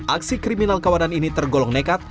aksi kriminal kawanan ini tergolong nekat